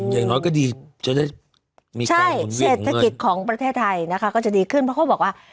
อย่างน้อยก็ดีจะได้มีใช่เศรษฐกิจของประเทศไทยนะคะก็จะดีขึ้นเพราะเขาบอกว่า